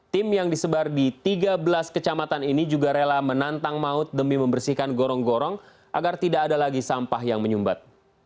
tim yang disebar di tiga belas kecamatan ini juga rela menantang maut demi membersihkan gorong gorong agar tidak ada lagi sampah yang menyumbat